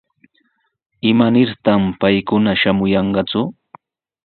¿Imanirtaq paykuna shamuyanqaku?